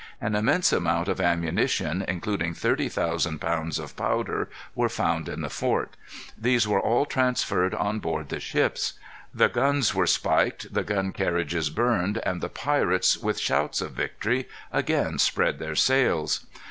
An immense amount of ammunition, including thirty thousand pounds of powder, were found in the fort. These were all transferred on board the ships. The guns were spiked, the gun carriages burned, and the pirates, with shouts of victory, again spread their sails.